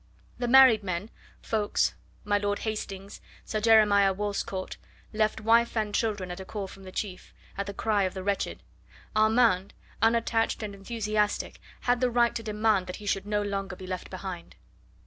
The married men Ffoulkes, my Lord Hastings, Sir Jeremiah Wallescourt left wife and children at a call from the chief, at the cry of the wretched. Armand unattached and enthusiastic had the right to demand that he should no longer be left behind.